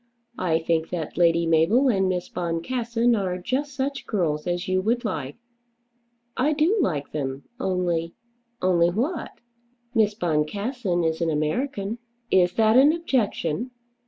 I think that Lady Mabel and Miss Boncassen are just such girls as you would like." "I do like them; only " "Only what?" "Miss Boncassen is an American." "Is that an objection?